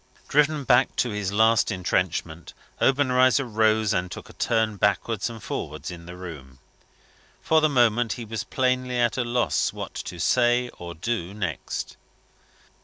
Driven back to his last entrenchment, Obenreizer rose, and took a turn backwards and forwards in the room. For the moment, he was plainly at a loss what to say or do next.